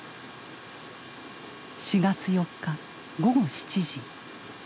４月４日午後７時。